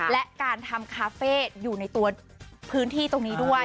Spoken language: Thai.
และการทำคาเฟ่อยู่ในตัวพื้นที่ตรงนี้ด้วย